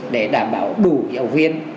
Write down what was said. để đảm bảo đủ giáo viên